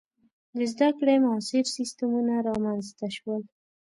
• د زده کړې معاصر سیستمونه رامنځته شول.